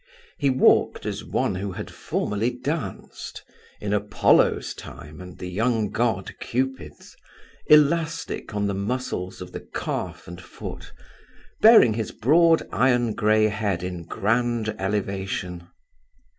He walked as one who had formerly danced (in Apollo's time and the young god Cupid's), elastic on the muscles of the calf and foot, bearing his broad iron grey head in grand elevation.